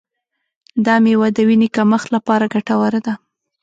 دا میوه د وینې کمښت لپاره ګټوره ده.